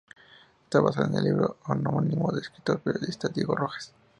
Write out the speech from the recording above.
Está basada en el libro homónimo del escritor y periodista Diego Rojas.